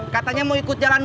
katanya mau ikut jalan